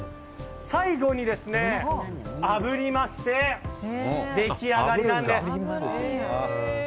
最後にあぶりまして出来上がりなんです。